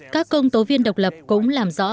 các công tố viên độc lập cũng làm rõ